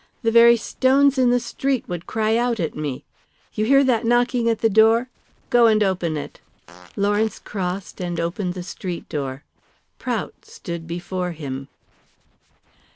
The very stones in the street would cry out at me! You hear that knocking at the door? Go and open it." Lawrence crossed and opened the street door. Prout stood before him.